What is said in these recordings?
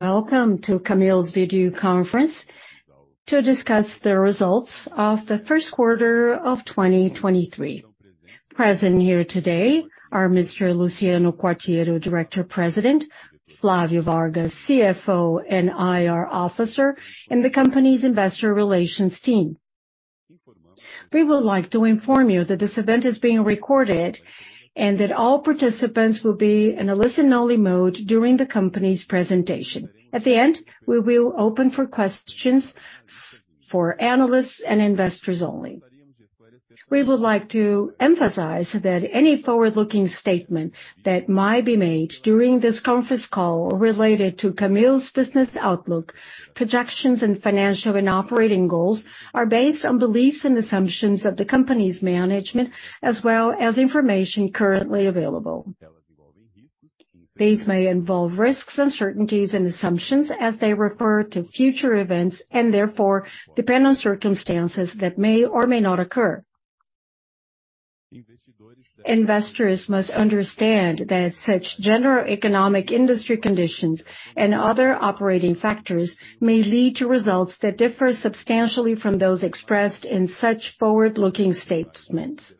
Welcome to Camil's video conference to discuss the Results of the First Quarter of 2023. Present here today are Mr. Luciano Quartiero, Director President, Flávio Vargas, CFO and IR Officer, and the company's investor relations team. We would like to inform you that this event is being recorded, and that all participants will be in a listen-only mode during the company's presentation. At the end, we will open for questions for analysts and investors only. We would like to emphasize that any forward-looking statement that might be made during this conference call related to Camil's business outlook, projections, and financial and operating goals, are based on beliefs and assumptions of the company's management, as well as information currently available. These may involve risks, uncertainties, and assumptions as they refer to future events, and therefore, depend on circumstances that may or may not occur. Investors must understand that such general economic industry conditions and other operating factors may lead to results that differ substantially from those expressed in such forward-looking statements.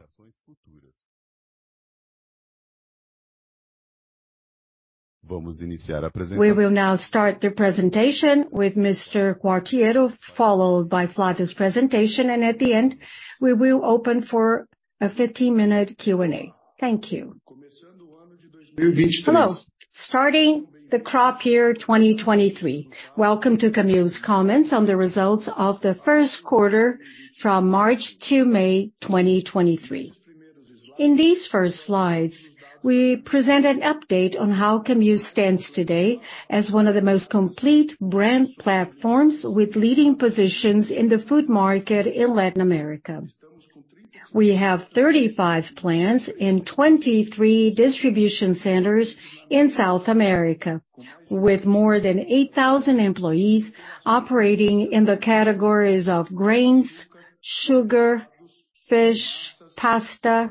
We will now start the presentation with Mr. Quartiero, followed by Flávio's presentation, and at the end, we will open for a 15-minute Q&A. Thank you. Hello, starting the crop year 2023, welcome to Camil's comments on the Results of the First Quarter from March to May 2023. In these first slides, we present an update on how Camil stands today as one of the most complete brand platforms with leading positions in the food market in Latin America. We have 35 plants and 23 distribution centers in South America, with more than 8,000 employees operating in the categories of grains, sugar, fish, pasta,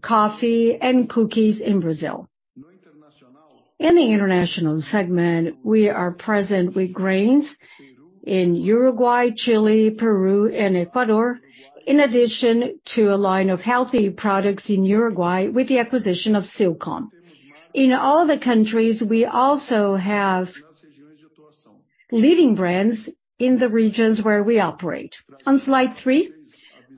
coffee, and cookies in Brazil. In the international segment, we are present with grains in Uruguay, Chile, Peru, and Ecuador, in addition to a line of healthy products in Uruguay with the acquisition of Silcom. In all the countries, we also have leading brands in the regions where we operate. On slide three,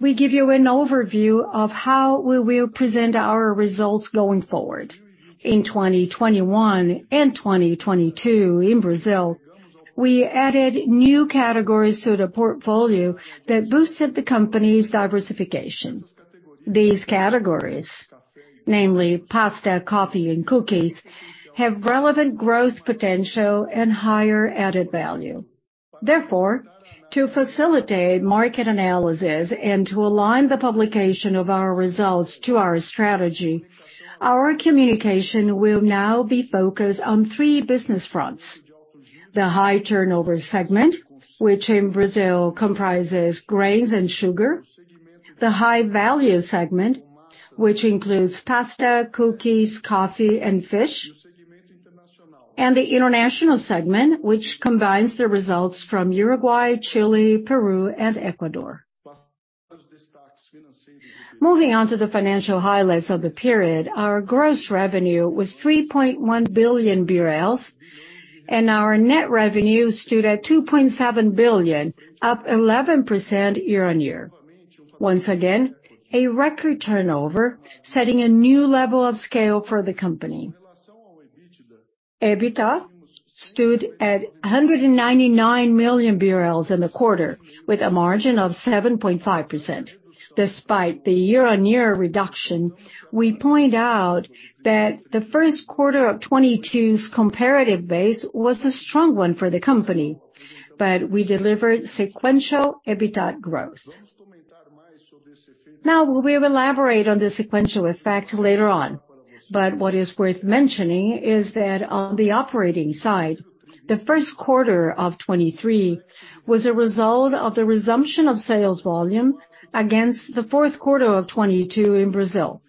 we give you an overview of how we will present our results going forward. In 2021 and 2022 in Brazil, we added new categories to the portfolio that boosted the company's diversification. These categories, namely pasta, coffee and cookies, have relevant growth potential and higher added value. To facilitate market analysis and to align the publication of our results to our strategy, our communication will now be focused on three business fronts: the high turnover segment, which in Brazil comprises grains and sugar, the high value segment, which includes pasta, cookies, coffee, and fish, and the international segment, which combines the results from Uruguay, Chile, Peru, and Ecuador. Moving on to the financial highlights of the period, our gross revenue was 3.1 billion BRL, and our net revenue stood at 2.7 billion, up 11% year-on-year. Once again, a record turnover, setting a new level of scale for the company. EBITDA stood at 199 million in the quarter, with a margin of 7.5%. Despite the year-on-year reduction, we point out that the first quarter of 2022's comparative base was a strong one for the company. We delivered sequential EBITDA growth. We will elaborate on the sequential effect later on. What is worth mentioning is that on the operating side, the first quarter of 2023 was a result of the resumption of sales volume against the fourth quarter of 2022 in Brazil.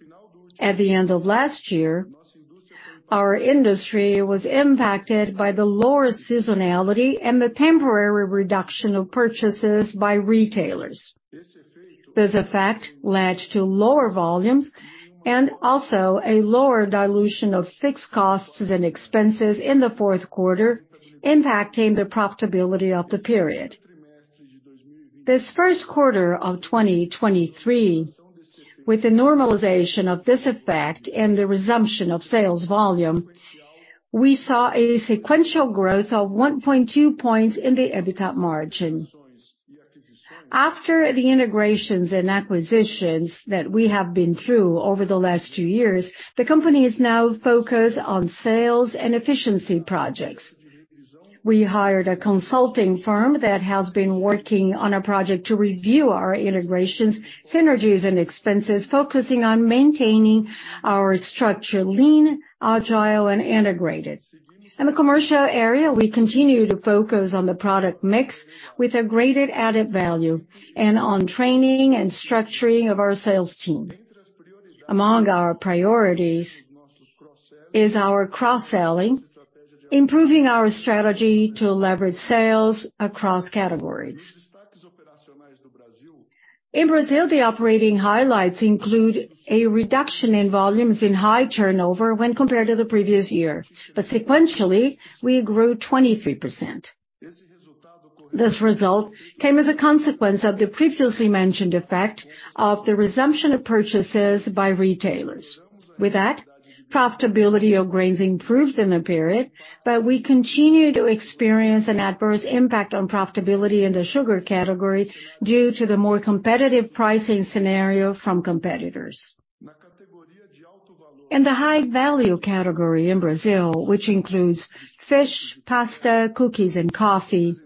At the end of last year, our industry was impacted by the lower seasonality and the temporary reduction of purchases by retailers. This effect led to lower volumes and also a lower dilution of fixed costs and expenses in the fourth quarter, impacting the profitability of the period. This first quarter of 2023, with the normalization of this effect and the resumption of sales volume, we saw a sequential growth of 1.2 points in the EBITDA margin. After the integrations and acquisitions that we have been through over the last two years, the company is now focused on sales and efficiency projects. We hired a consulting firm that has been working on a project to review our integrations, synergies, and expenses, focusing on maintaining our structure lean, agile, and integrated. In the commercial area, we continue to focus on the product mix with a greater added value and on training and structuring of our sales team. Among our priorities is our cross-selling, improving our strategy to leverage sales across categories. In Brazil, the operating highlights include a reduction in volumes in high turnover when compared to the previous year, but sequentially, we grew 23%. This result came as a consequence of the previously mentioned effect of the resumption of purchases by retailers. Profitability of grains improved in the period. We continue to experience an adverse impact on profitability in the sugar category, due to the more competitive pricing scenario from competitors. In the high value category in Brazil, which includes fish, pasta, cookies, and coffee,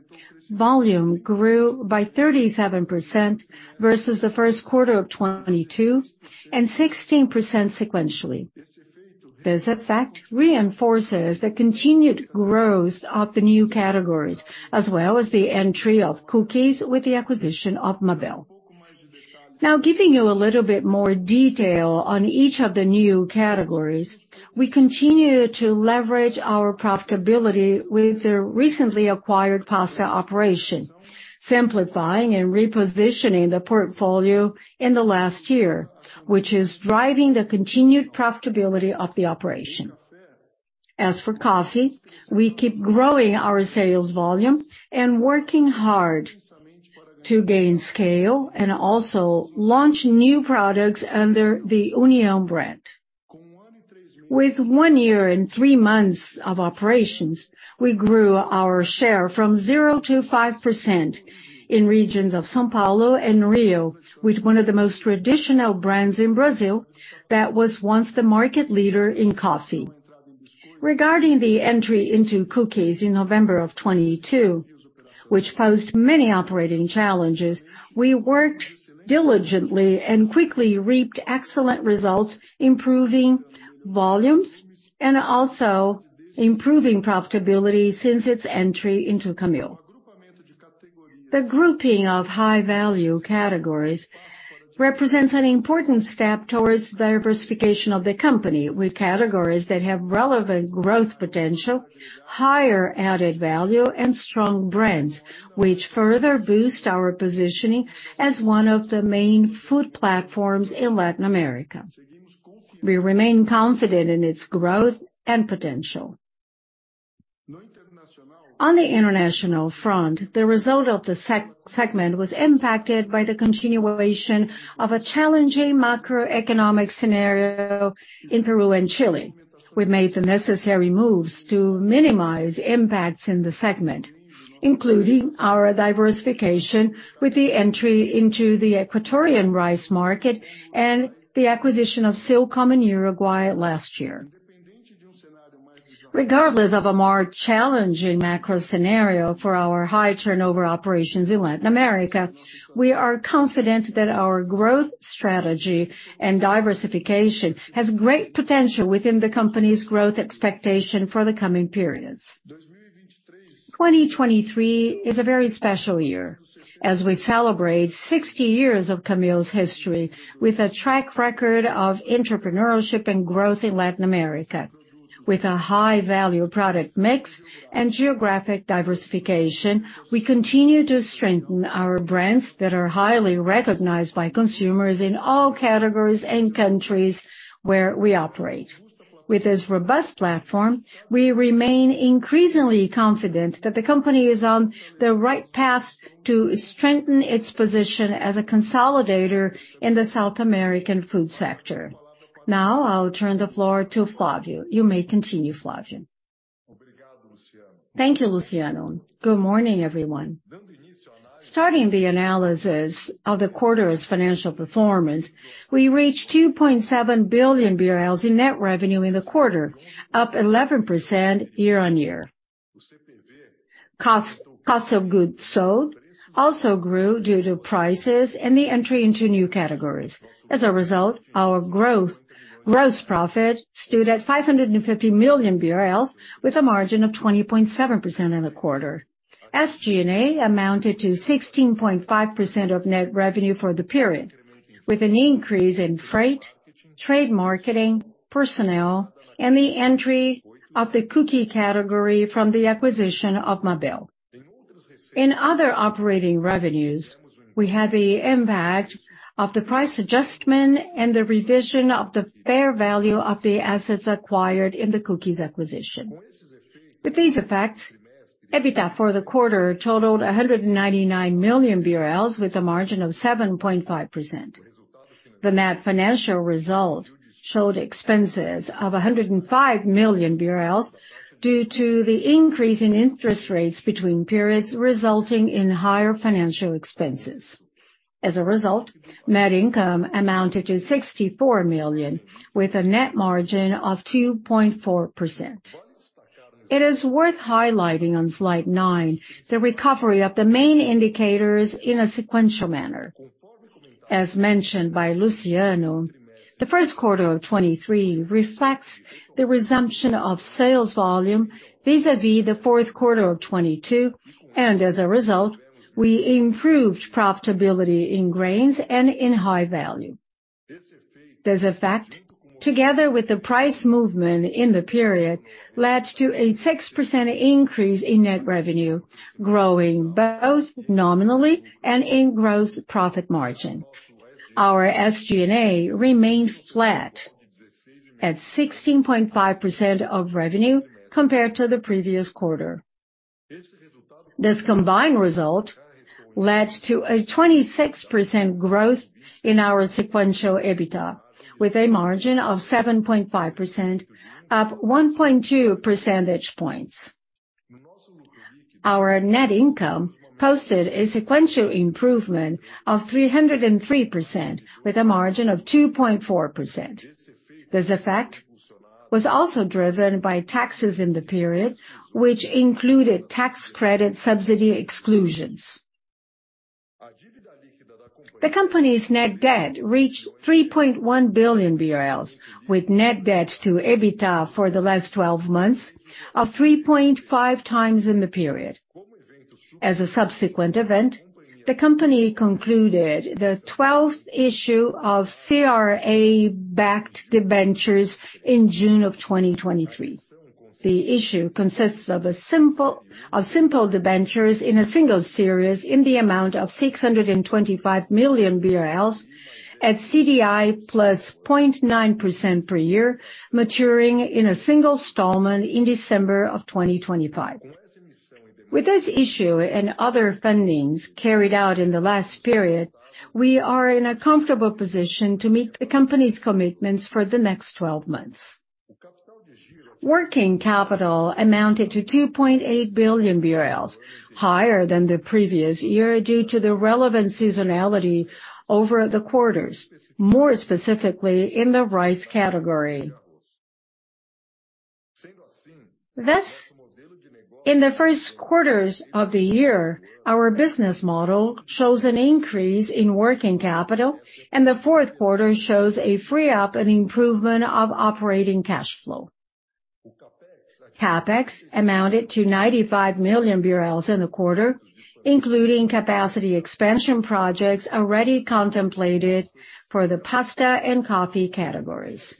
volume grew by 37% versus the 1st quarter of 2022, and 16% sequentially. This effect reinforces the continued growth of the new categories, as well as the entry of cookies with the acquisition of Mabel. Giving you a little bit more detail on each of the new categories, we continue to leverage our profitability with the recently acquired pasta operation, simplifying and repositioning the portfolio in the last year, which is driving the continued profitability of the operation. As for coffee, we keep growing our sales volume and working hard to gain scale, and also launch new products under the União brand. With one year and three months of operations, we grew our share from 0%-5% in regions of São Paulo and Rio, with one of the most traditional brands in Brazil, that was once the market leader in coffee. Regarding the entry into cookies in November of 2022, which posed many operating challenges, we worked diligently and quickly reaped excellent results, improving volumes and also improving profitability since its entry into Camil. The grouping of high value categories represents an important step towards diversification of the company, with categories that have relevant growth potential, higher added value, and strong brands, which further boost our positioning as one of the main food platforms in Latin America. We remain confident in its growth and potential. On the international front, the result of the segment was impacted by the continuation of a challenging macroeconomic scenario in Peru and Chile. We made the necessary moves to minimize impacts in the segment, including our diversification with the entry into the Ecuadorian rice market and the acquisition of Silcom in Uruguay last year. Regardless of a more challenging macro scenario for our high turnover operations in Latin America, we are confident that our growth strategy and diversification has great potential within the company's growth expectation for the coming periods. 2023 is a very special year, as we celebrate 60 years of Camil's history with a track record of entrepreneurship and growth in Latin America. With a high value product mix and geographic diversification, we continue to strengthen our brands that are highly recognized by consumers in all categories and countries where we operate. I'll turn the floor to Flávio. You may continue, Flávio. Thank you, Luciano. Good morning, everyone. Starting the analysis of the quarter's financial performance, we reached 2.7 billion BRL in net revenue in the quarter, up 11% year-on-year. Cost of goods sold also grew due to prices and the entry into new categories. Our gross profit stood at 550 million BRL, with a margin of 20.7% in the quarter. SG&A amounted to 16.5% of net revenue for the period, with an increase in freight, trade marketing, personnel, and the entry of the cookie category from the acquisition of Mabel. In other operating revenues, we had the impact of the price adjustment and the revision of the fair value of the assets acquired in the cookies acquisition. With these effects, EBITDA for the quarter totaled 199 million BRL, with a margin of 7.5%. The net financial result showed expenses of 105 million BRL, due to the increase in interest rates between periods, resulting in higher financial expenses. Net income amounted to 64 million, with a net margin of 2.4%. It is worth highlighting on slide nine, the recovery of the main indicators in a sequential manner. As mentioned by Luciano, the first quarter of 2023 reflects the resumption of sales volume vis-a-vis the fourth quarter of 2022, we improved profitability in grains and in high value. This effect, together with the price movement in the period, led to a 6% increase in net revenue, growing both nominally and in gross profit margin. Our SG&A remained flat at 16.5% of revenue compared to the previous quarter. This combined result led to a 26% growth in our sequential EBITDA, with a margin of 7.5%, up 1.2 percentage points. Our net income posted a sequential improvement of 303%, with a margin of 2.4%. This effect was also driven by taxes in the period, which included tax credit subsidy exclusions. The company's net debt reached 3.1 billion BRL, with net debt to EBITDA for the last 12 months of 3.5 times in the period. As a subsequent event, the company concluded the 12th issue of CRA-backed debentures in June of 2023. The issue consists of simple debentures in a single series in the amount of 625 million BRL, at CDI plus 0.9% per year, maturing in a single installment in December of 2025. With this issue and other fundings carried out in the last period, we are in a comfortable position to meet the company's commitments for the next 12 months. Working capital amounted to 2.8 billion BRL, higher than the previous year, due to the relevant seasonality over the quarters, more specifically in the rice category. In the 1st quarters of the year, our business model shows an increase in working capital, and the 4th quarter shows a free-up and improvement of operating cash flow. CapEx amounted to 95 million in the quarter, including capacity expansion projects already contemplated for the pasta and coffee categories.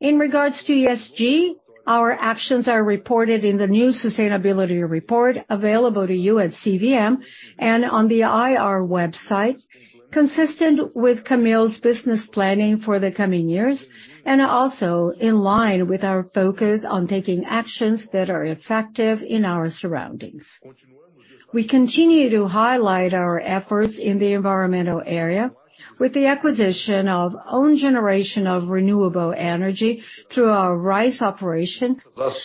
In regards to ESG, our actions are reported in the new sustainability report, available to you at CVM and on the IR website, consistent with Camil's business planning for the coming years, and also in line with our focus on taking actions that are effective in our surroundings. We continue to highlight our efforts in the environmental area, with the acquisition of own generation of renewable energy through our rice operation,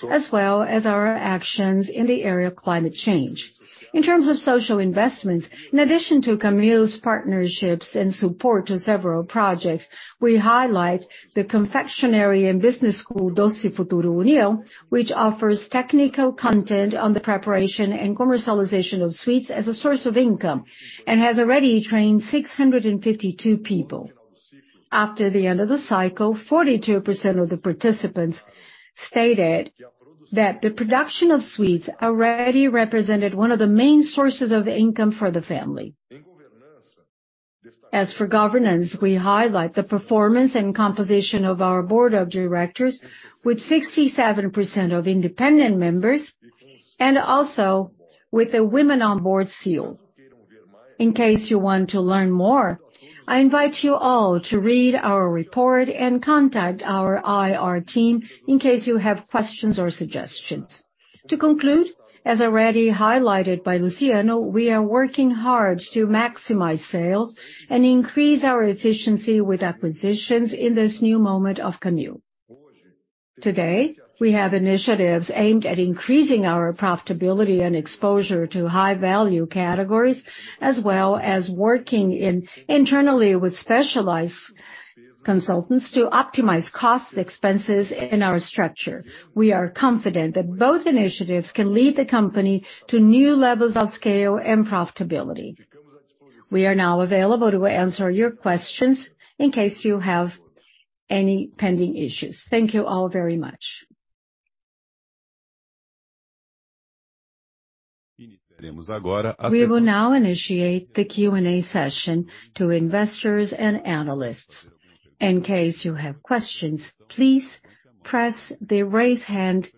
as well as our actions in the area of climate change. In terms of social investments, in addition to Camil's partnerships and support to several projects, we highlight the confectionery and business school, Doce Futuro União, which offers technical content on the preparation and commercialization of sweets as a source of income, and has already trained 652 people. After the end of the cycle, 42% of the participants stated that the production of sweets already represented one of the main sources of income for the family. As for governance, we highlight the performance and composition of our board of directors, with 67% of independent members, and also with the Women on Board seal. In case you want to learn more, I invite you all to read our report and contact our IR team in case you have questions or suggestions. To conclude, as already highlighted by Luciano, we are working hard to maximize sales and increase our efficiency with acquisitions in this new moment of Camil. Today, we have initiatives aimed at increasing our profitability and exposure to high-value categories, as well as working in internally with specialized consultants to optimize cost expenses in our structure. We are confident that both initiatives can lead the company to new levels of scale and profitability. We are now available to answer your questions in case you have any pending issues. Thank you all very much. We will now initiate the Q&A session to investors and analysts. In case you have questions, please press the Raise Hand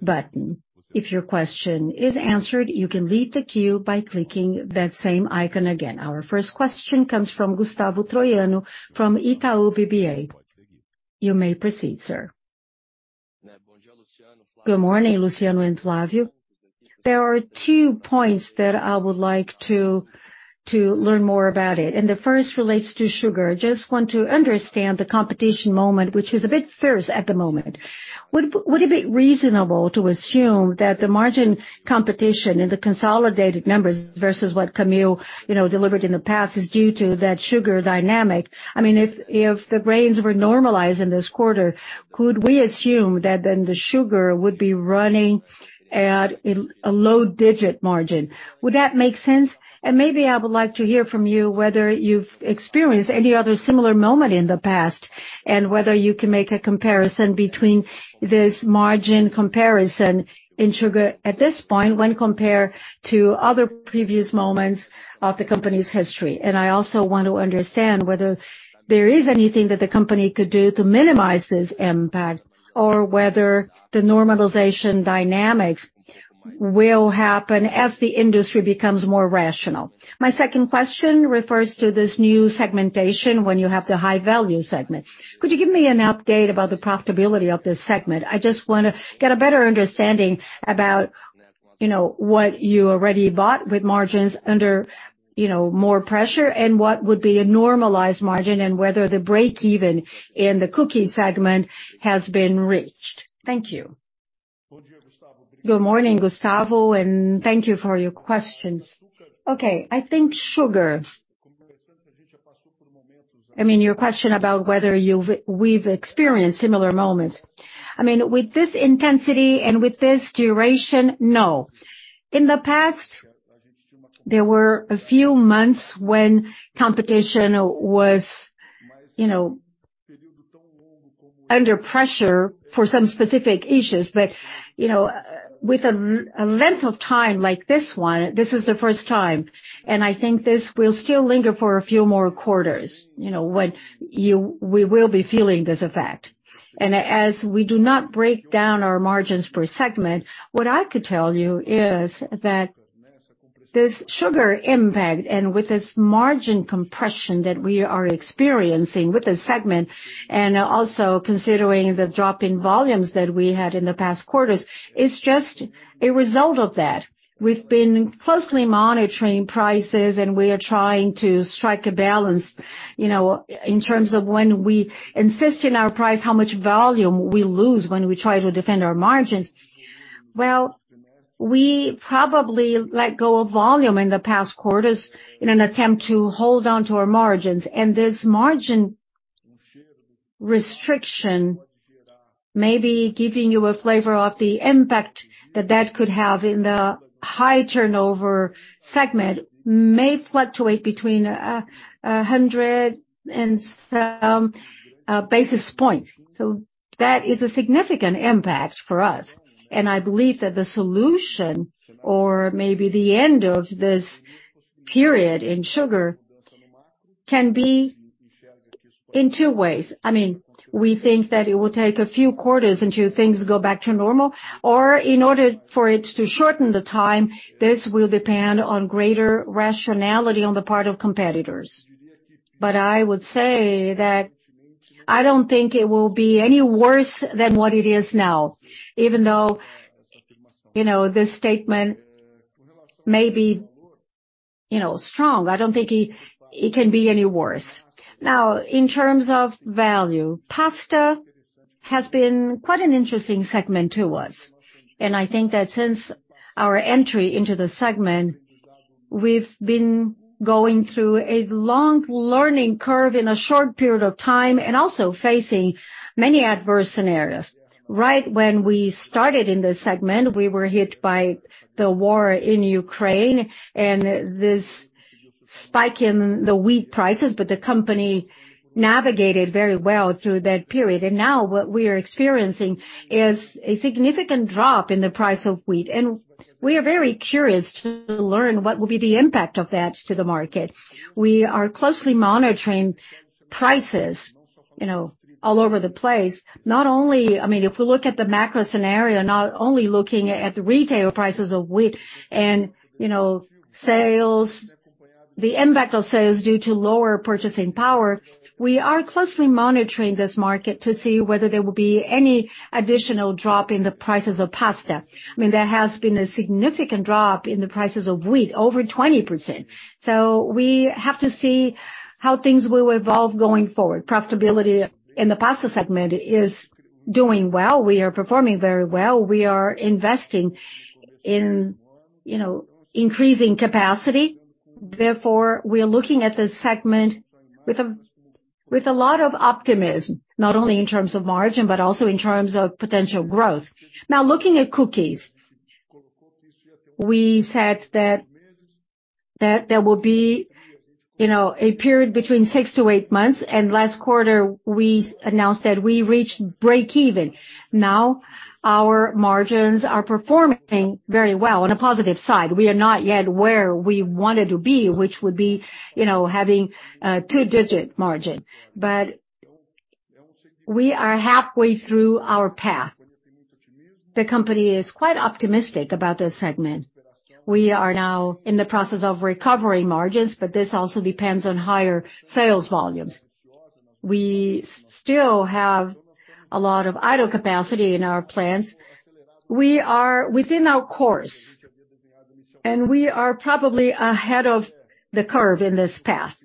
button. If your question is answered, you can leave the queue by clicking that same icon again. Our first question comes from Gustavo Troyano, from Itaú BBA. You may proceed, sir. Good morning, Luciano and Flávio. There are two points that I would like to learn more about it. The first relates to sugar. Just want to understand the competition moment, which is a bit fierce at the moment. Would it be reasonable to assume that the margin competition in the consolidated numbers versus what Camil, you know, delivered in the past, is due to that sugar dynamic? I mean, if the grains were normalized in this quarter, could we assume that then the sugar would be running at a low digit margin? Would that make sense? Maybe I would like to hear from you whether you've experienced any other similar moment in the past, and whether you can make a comparison between this margin comparison in sugar at this point, when compared to other previous moments of the company's history. I also want to understand whether there is anything that the company could do to minimize this impact, or whether the normalization will happen as the industry becomes more rational. My second question refers to this new segmentation when you have the high value segment. Could you give me an update about the profitability of this segment? I just wanna get a better understanding about, you know, what you already bought with margins under, you know, more pressure, and what would be a normalized margin, and whether the break-even in the cookie segment has been reached. Thank you. Good morning, Gustavo, thank you for your questions. I think sugar, I mean, your question about whether we've experienced similar moments. I mean, with this intensity and with this duration, no. In the past, there were a few months when competition was, you know, under pressure for some specific issues. You know, with a length of time like this one, this is the first time, and I think this will still linger for a few more quarters. You know, when we will be feeling this effect. As we do not break down our margins per segment, what I could tell you is that this sugar impact, and with this margin compression that we are experiencing with this segment, and also considering the drop in volumes that we had in the past quarters, is just a result of that. We've been closely monitoring prices, and we are trying to strike a balance, you know, in terms of when we insist in our price, how much volume we lose when we try to defend our margins. We probably let go of volume in the past quarters in an attempt to hold on to our margins. This margin restriction, maybe giving you a flavor of the impact that that could have in the high turnover segment, may fluctuate between 100 and some basis points. That is a significant impact for us. I believe that the solution or maybe the end of this period in sugar can be in two ways. I mean, we think that it will take a few quarters until things go back to normal, or in order for it to shorten the time, this will depend on greater rationality on the part of competitors. I would say that I don't think it will be any worse than what it is now. Even though, you know, this statement may be, you know, strong, I don't think it can be any worse. Now, in terms of value, pasta has been quite an interesting segment to us. I think that since our entry into the segment, we've been going through a long learning curve in a short period of time, and also facing many adverse scenarios. Right when we started in this segment, we were hit by the war in Ukraine and this spike in the wheat prices, the company navigated very well through that period. Now what we are experiencing is a significant drop in the price of wheat, and we are very curious to learn what will be the impact of that to the market. We are closely monitoring prices, you know, all over the place. Not only I mean, if we look at the macro scenario, not only looking at the retail prices of wheat and, you know, sales, the impact of sales due to lower purchasing power, we are closely monitoring this market to see whether there will be any additional drop in the prices of pasta. I mean, there has been a significant drop in the prices of wheat, over 20%. We have to see how things will evolve going forward. Profitability in the pasta segment is doing well. We are performing very well. We are investing in, you know, increasing capacity. We are looking at this segment with a lot of optimism, not only in terms of margin, but also in terms of potential growth. Now, looking at cookies, we said that there will be, you know, a period between six to eight months, and last quarter, we announced that we reached break even. Now, our margins are performing very well on a positive side. We are not yet where we wanted to be, which would be, you know, having a two-digit margin. We are halfway through our path. The company is quite optimistic about this segment. We are now in the process of recovering margins, but this also depends on higher sales volumes. We still have a lot of idle capacity in our plants. We are within our course, and we are probably ahead of the curve in this path.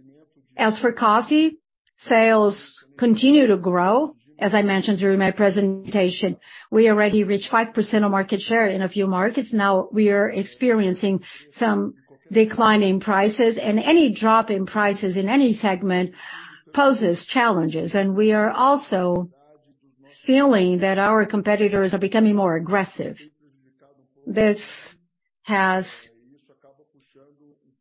As for coffee, sales continue to grow. As I mentioned during my presentation, we already reached 5% of market share in a few markets. Now we are experiencing some decline in prices. Any drop in prices in any segment poses challenges. We are also feeling that our competitors are becoming more aggressive. This has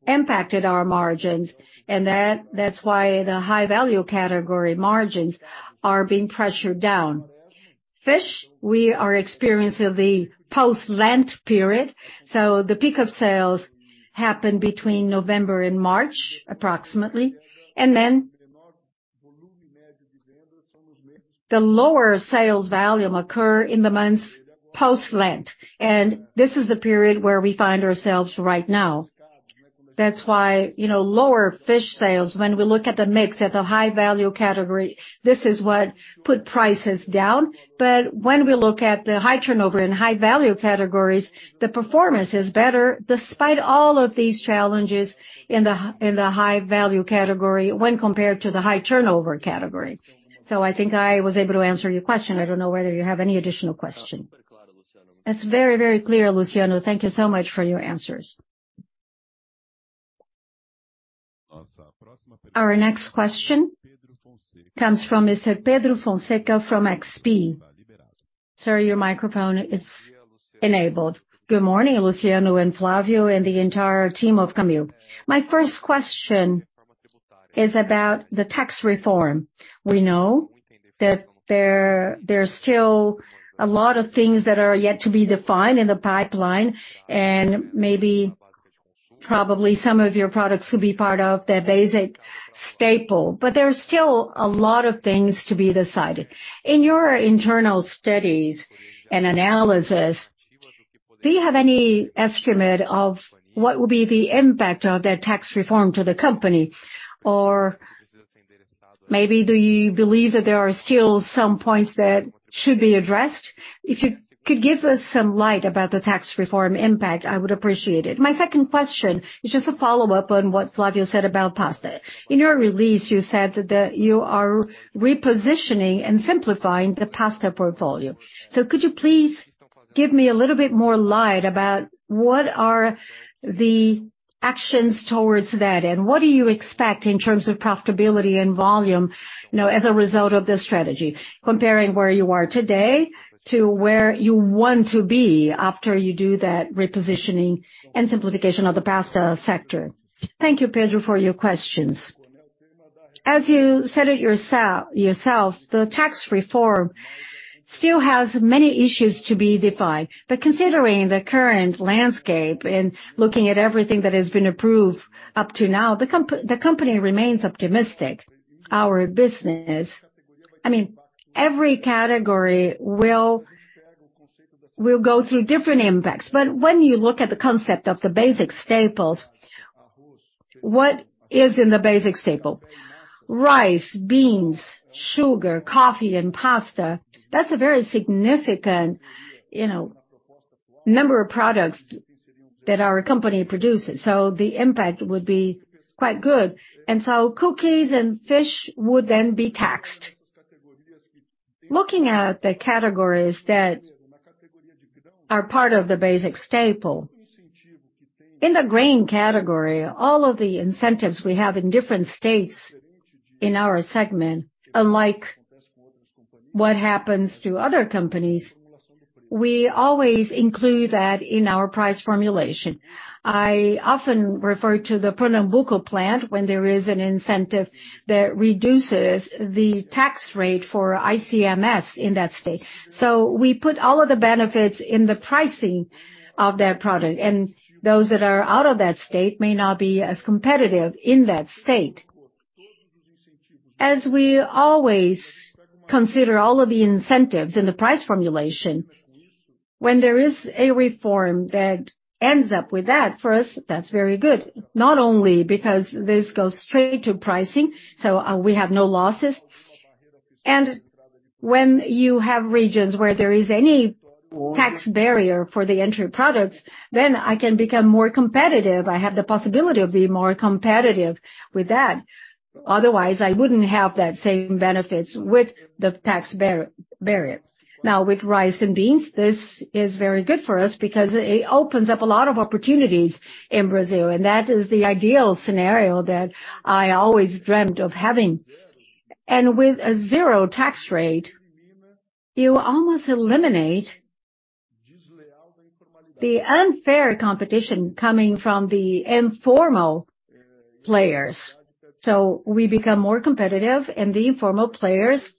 impacted our margins. That's why the high value category margins are being pressured down. Fish. We are experiencing the post-lent period. The peak of sales happened between November and March, approximately. The lower sales volume occur in the months post-lent. This is the period where we find ourselves right now. That's why, you know, lower fish sales, when we look at the mix at the high value category, this is what put prices down. When we look at the high turnover and high value categories, the performance is better, despite all of these challenges in the high value category when compared to the high turnover category. I think I was able to answer your question. I don't know whether you have any additional question. It's very, very clear, Luciano. Thank you so much for your answers. Our next question comes from Mr. Pedro Fonseca from XP. Sir, your microphone is enabled. Good morning, Luciano and Flávio, and the entire team of Camil. My first question is about the tax reform. We know that there are still a lot of things that are yet to be defined in the pipeline, and maybe probably some of your products will be part of their basic staple, but there are still a lot of things to be decided. In your internal studies and analysis, do you have any estimate of what will be the impact of that tax reform to the company? Or maybe do you believe that there are still some points that should be addressed? If you could give us some light about the tax reform impact, I would appreciate it. My second question is just a follow-up on what Flávio said about pasta. In your release, you said that you are repositioning and simplifying the pasta portfolio. Could you please give me a little bit more light about what are the actions towards that, and what do you expect in terms of profitability and volume, you know, as a result of this strategy, comparing where you are today to where you want to be after you do that repositioning and simplification of the pasta sector? Thank you, Pedro, for your questions. As you said it yourself, the tax reform still has many issues to be defined. Considering the current landscape and looking at everything that has been approved up to now, the company remains optimistic. Our business, I mean, every category will go through different impacts. When you look at the concept of the basic staples, what is in the basic staple? Rice, beans, sugar, coffee, and pasta. That's a very significant, you know, number of products that our company produces, so the impact would be quite good. Cookies and fish would then be taxed. Looking at the categories that are part of the basic staple, in the grain category, all of the incentives we have in different states in our segment, unlike what happens to other companies, we always include that in our price formulation. I often refer to the Pernambuco plant when there is an incentive that reduces the tax rate for ICMS in that state. We put all of the benefits in the pricing of that product, and those that are out of that state may not be as competitive in that state. We always consider all of the incentives in the price formulation, when there is a reform that ends up with that, for us, that's very good. Because this goes straight to pricing, so we have no losses, and when you have regions where there is any tax barrier for the entry products, then I can become more competitive. I have the possibility of being more competitive with that. Otherwise, I wouldn't have that same benefits with the tax barrier. With rice and beans, this is very good for us because it opens up a lot of opportunities in Brazil, and that is the ideal scenario that I always dreamt of having. With a zero tax rate, you almost eliminate the unfair competition coming from the informal players. We become more competitive, and the informal players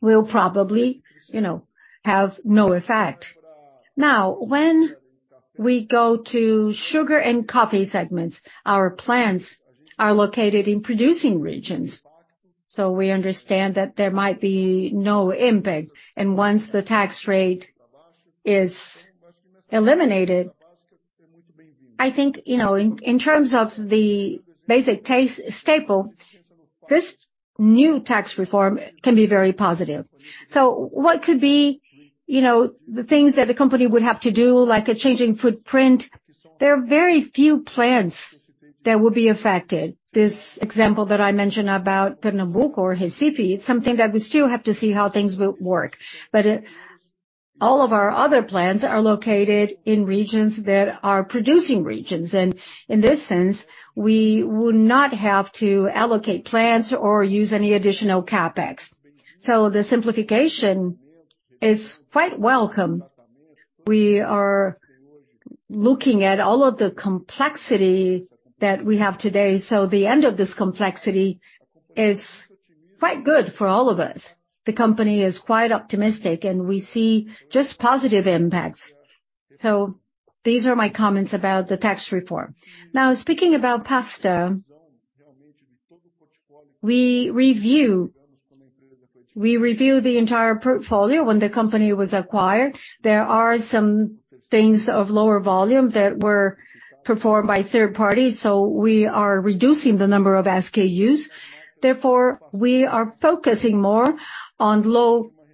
will probably, you know, have no effect. When we go to sugar and coffee segments, our plants are located in producing regions, so we understand that there might be no impact. Once the tax rate is eliminated, I think, you know, in terms of the basic staple, this new tax reform can be very positive. What could be, you know, the things that the company would have to do, like a changing footprint? There are very few plants that will be affected. This example that I mentioned about Pernambuco or Recife, it's something that we still have to see how things will work. All of our other plants are located in regions that are producing regions, and in this sense, we would not have to allocate plants or use any additional CapEx. The simplification is quite welcome. We are looking at all of the complexity that we have today, so the end of this complexity is quite good for all of us. The company is quite optimistic, and we see just positive impacts. These are my comments about the tax reform. Speaking about pasta, we reviewed the entire portfolio when the company was acquired. There are some things of lower volume that were performed by third parties, so we are reducing the number of SKUs. We are focusing more on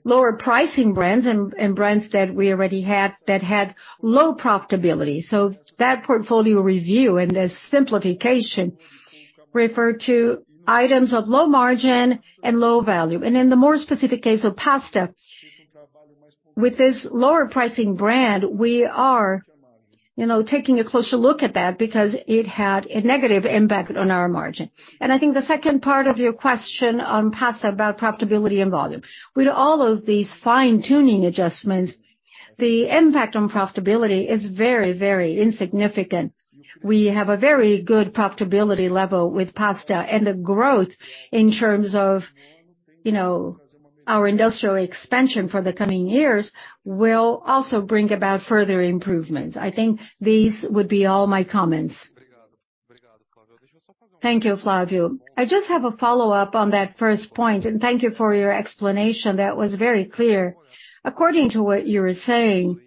lower pricing brands and brands that we already had that had low profitability. That portfolio review and the simplification refer to items of low margin and low value. In the more specific case of pasta, with this lower pricing brand, we are, you know, taking a closer look at that because it had a negative impact on our margin. I think the second part of your question on pasta about profitability and volume. With all of these fine-tuning adjustments, the impact on profitability is very, very insignificant. We have a very good profitability level with pasta, and the growth in terms of, you know, our industrial expansion for the coming years will also bring about further improvements. I think these would be all my comments. Thank you, Flávio. I just have a follow-up on that first point, and thank you for your explanation. That was very clear. According to what you were saying,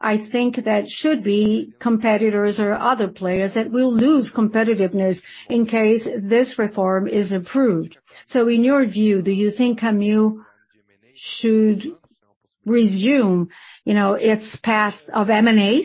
I think that should be competitors or other players that will lose competitiveness in case this reform is approved. In your view, do you think Camil should resume, you know, its path of M&A?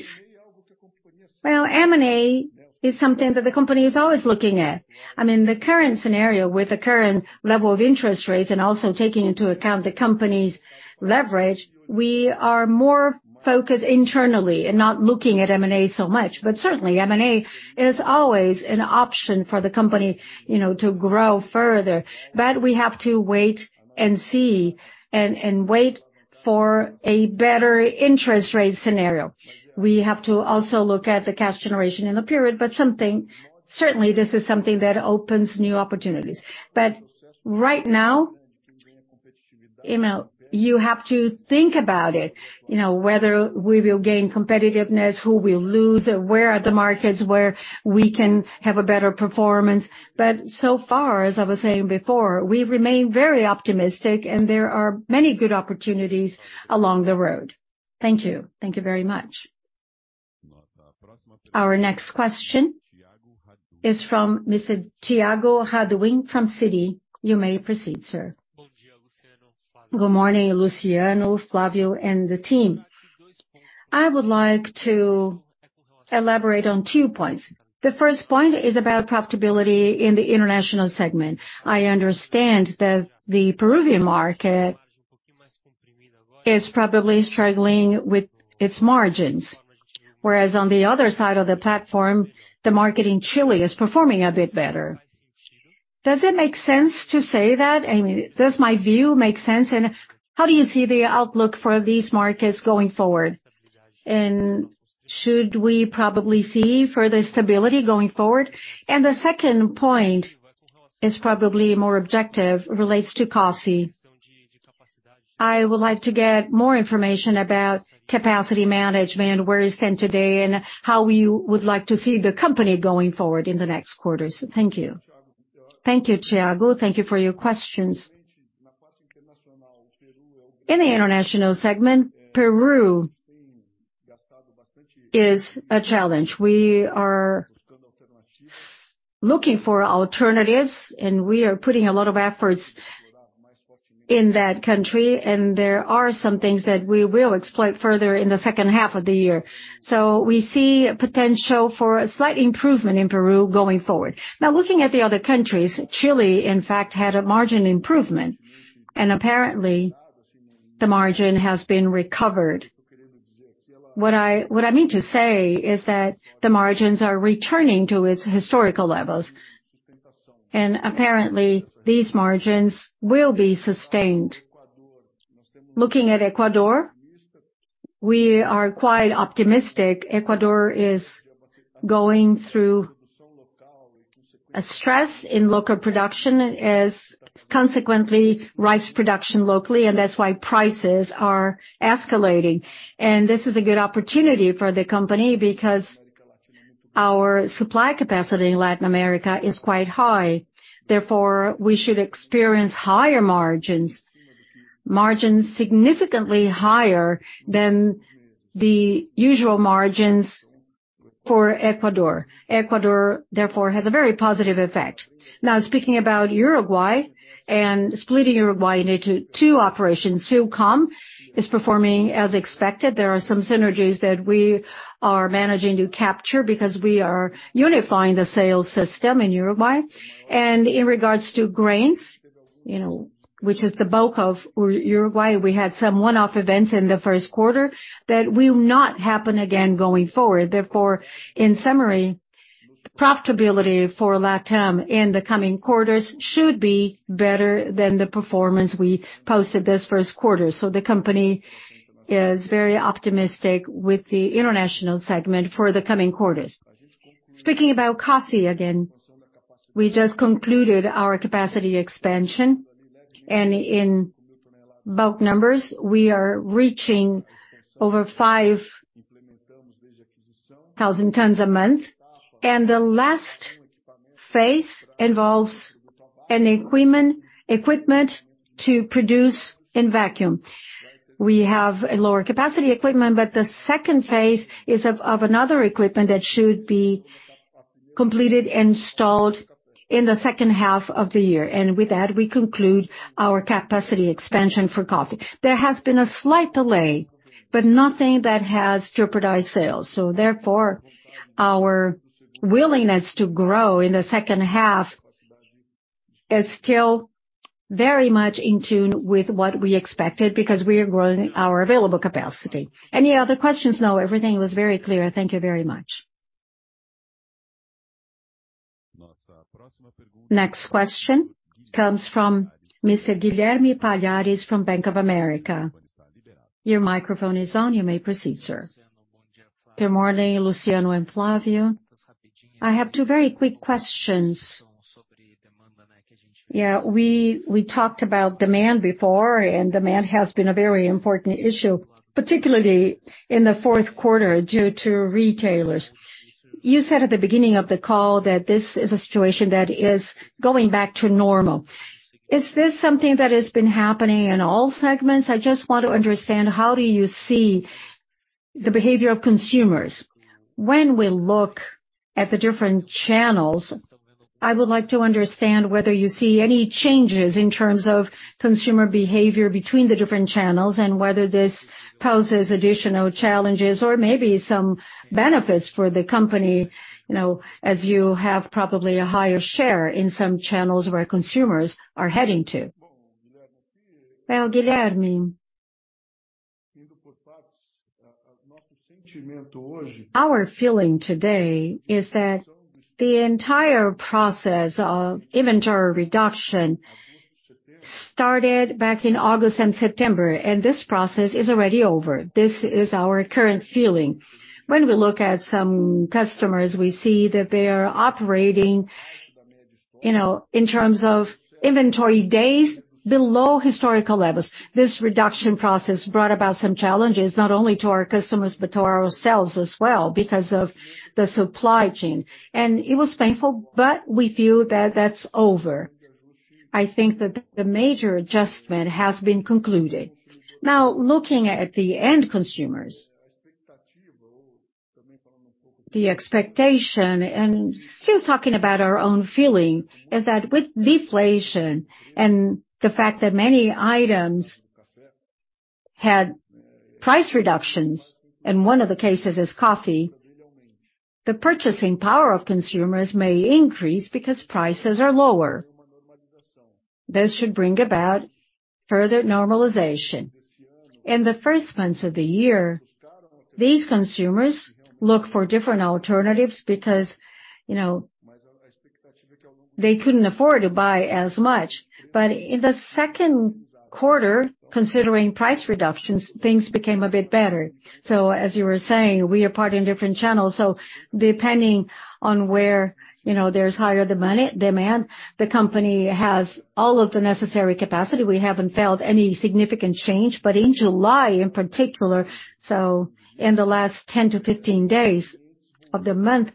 M&A is something that the company is always looking at. I mean, the current scenario, with the current level of interest rates and also taking into account the company's leverage, we are more focused internally and not looking at M&A so much. Certainly, M&A is always an option for the company, you know, to grow further. We have to wait and see, and wait for a better interest rate scenario. We have to also look at the cash generation in the period, certainly, this is something that opens new opportunities. Right now, you know, you have to think about it, you know, whether we will gain competitiveness, who will lose, or where are the markets where we can have a better performance. So far, as I was saying before, we remain very optimistic, and there are many good opportunities along the road. Thank you. Thank you very much. Our next question is from Mr. Tiago Raduyn, from Citi. You may proceed, sir. Good morning, Luciano, Flávio, and the team. I would like to elaborate on two points. The first point is about profitability in the international segment. I understand that the Peruvian market is probably struggling with its margins, whereas on the other side of the platform, the market in Chile is performing a bit better. Does it make sense to say that? I mean, does my view make sense, and how do you see the outlook for these markets going forward? Should we probably see further stability going forward? The second point is probably more objective, relates to coffee. I would like to get more information about capacity management, where is it today, and how we would like to see the company going forward in the next quarters. Thank you. Thank you, Tiago. Thank you for your questions. In the international segment, Peru is a challenge. We are looking for alternatives, and we are putting a lot of efforts in that country, and there are some things that we will exploit further in the second half of the year. We see potential for a slight improvement in Peru going forward. Looking at the other countries, Chile, in fact, had a margin improvement, and apparently, the margin has been recovered. What I mean to say is that the margins are returning to its historical levels, and apparently, these margins will be sustained. Looking at Ecuador, we are quite optimistic. Ecuador is going through a stress in local production as, consequently, rice production locally, and that's why prices are escalating. This is a good opportunity for the company because our supply capacity in Latin America is quite high. Therefore, we should experience higher margins significantly higher than the usual margins for Ecuador. Ecuador, therefore, has a very positive effect. Speaking about Uruguay and splitting Uruguay into two operations, Saman is performing as expected. There are some synergies that we are managing to capture because we are unifying the sales system in Uruguay. In regards to grains, you know, which is the bulk of Uruguay, we had some one-off events in the first quarter that will not happen again going forward. Therefore, in summary, profitability for Latam in the coming quarters should be better than the performance we posted this first quarter. The company is very optimistic with the international segment for the coming quarters. Speaking about coffee again, we just concluded our capacity expansion, and in bulk numbers, we are reaching over 5,000 tons a month, and the last phase involves an equipment to produce in vacuum. We have a lower capacity equipment, but the second phase is of another equipment that should be completed and installed in the second half of the year. With that, we conclude our capacity expansion for coffee. There has been a slight delay, but nothing that has jeopardized sales. Therefore, our willingness to grow in the second half is still very much in tune with what we expected, because we are growing our available capacity. Any other questions? No, everything was very clear. Thank you very much. Next question comes from Mr. Guilherme Palhares from Santander. Your microphone is on. You may proceed, sir. Good morning, Luciano and Flávio. I have two very quick questions. Yeah, we talked about demand before. Demand has been a very important issue, particularly in the fourth quarter, due to retailers. You said at the beginning of the call that this is a situation that is going back to normal. Is this something that has been happening in all segments? I just want to understand: How do you see the behavior of consumers? When we look at the different channels, I would like to understand whether you see any changes in terms of consumer behavior between the different channels, and whether this poses additional challenges or maybe some benefits for the company, you know, as you have probably a higher share in some channels where consumers are heading to. Well, Guilherme, our feeling today is that the entire process of inventory reduction started back in August and September, and this process is already over. This is our current feeling. When we look at some customers, we see that they are operating, you know, in terms of inventory days, below historical levels. This reduction process brought about some challenges, not only to our customers, but to ourselves as well, because of the supply chain. It was painful, but we feel that that's over. I think that the major adjustment has been concluded. Now, looking at the end consumers, the expectation, and still talking about our own feeling, is that with deflation and the fact that many items had price reductions, and one of the cases is coffee, the purchasing power of consumers may increase because prices are lower. This should bring about further normalization. In the first months of the year, these consumers look for different alternatives because, you know, they couldn't afford to buy as much. In the second quarter, considering price reductions, things became a bit better. As you were saying, we are part in different channels, so depending on where, you know, there's higher demand, the company has all of the necessary capacity. We haven't felt any significant change, but in July, in particular, in the last 10-15 days of the month,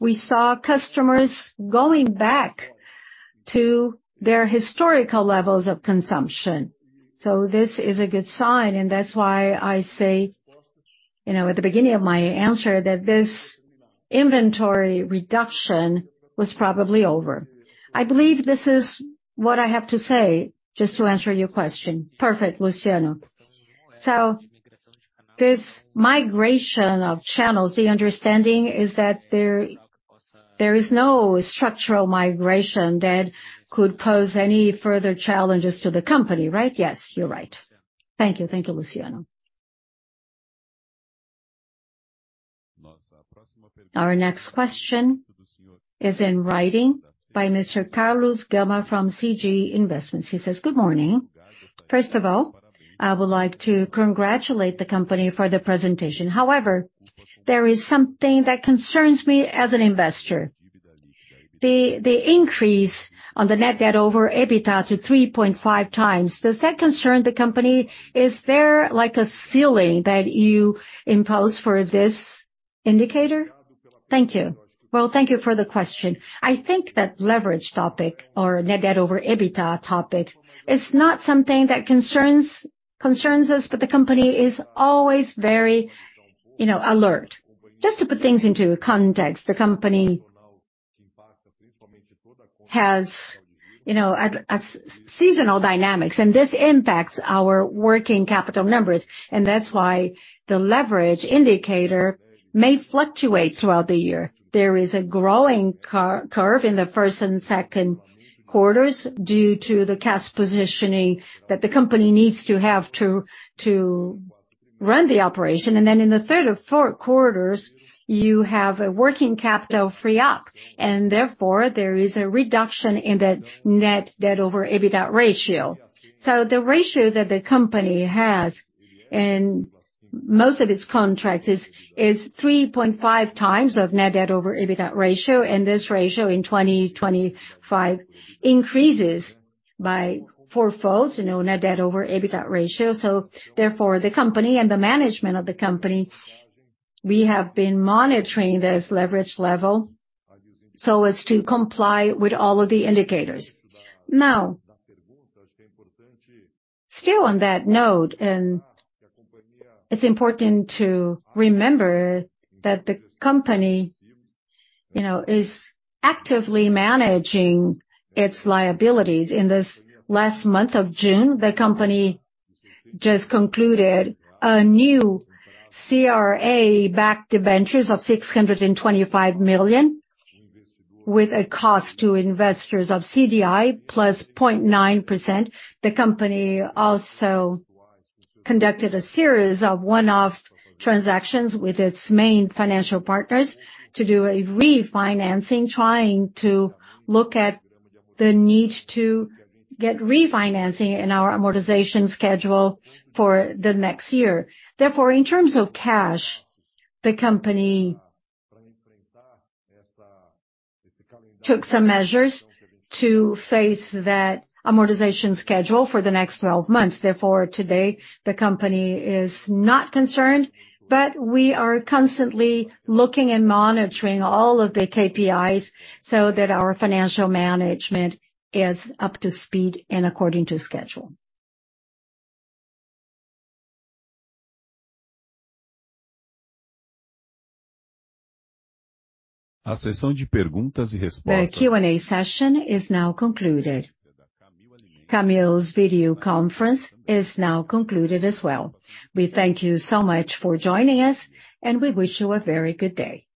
we saw customers going back to their historical levels of consumption. This is a good sign, and that's why I say, you know, at the beginning of my answer, that this inventory reduction was probably over. I believe this is what I have to say, just to answer your question. Perfect, Luciano. This migration of channels, the understanding is that there is no structural migration that could pose any further challenges to the company, right? Yes, you're right. Thank you. Thank you, Luciano. Our next question is in writing by Mr. Carlos Goma from CG Investments. He says: Good morning. First of all, I would like to congratulate the company for the presentation. However, there is something that concerns me as an investor. The increase on the net debt over EBITDA to 3.5 times, does that concern the company? Is there like a ceiling that you impose for this indicator? Thank you. Thank you for the question. I think that leverage topic or net debt over EBITDA topic is not something that concerns us, but the company is always very, you know, alert. Just to put things into context, the company has, you know, a seasonal dynamics, and this impacts our working capital numbers, and that's why the leverage indicator may fluctuate throughout the year. There is a growing curve in the first and second quarters due to the cash positioning that the company needs to have to run the operation. In the third or fourth quarters, you have a working capital free up, and therefore, there is a reduction in that net debt over EBITDA ratio. The ratio that the company has in most of its contracts is 3.5 times of net debt over EBITDA ratio. This ratio in 2025 increases by four-folds, you know, net debt over EBITDA ratio. Therefore, the company and the management of the company, we have been monitoring this leverage level so as to comply with all of the indicators. Still on that note, it's important to remember that the company, you know, is actively managing its liabilities. In this last month of June, the company just concluded a new CRA-backed debentures of 625 million, with a cost to investors of CDI plus 0.9%. The company also conducted a series of one-off transactions with its main financial partners to do a refinancing, trying to look at the need to get refinancing in our amortization schedule for the next year. In terms of cash, the company took some measures to face that amortization schedule for the next 12 months. Today, the company is not concerned, but we are constantly looking and monitoring all of the KPIs so that our financial management is up to speed and according to schedule. The Q&A session is now concluded. Camil's video conference is now concluded as well. We thank you so much for joining us, and we wish you a very good day.